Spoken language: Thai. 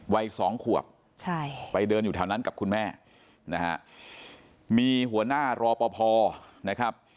วัยสองขวบใช่ไปเดินอยู่แถวนั้นกับคุณแม่นะฮะมีหัวหน้ารอปภนะครับ